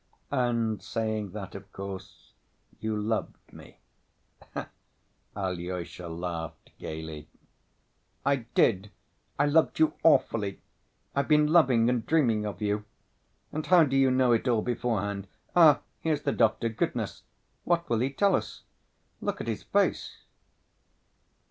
" "And saying that, of course, you loved me," Alyosha laughed gayly. "I did. I loved you awfully. I've been loving and dreaming of you. And how do you know it all beforehand? Ah, here's the doctor. Goodness! What will he tell us? Look at his face!"